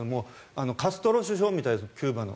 カストロ首相みたいですキューバの。